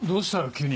急に。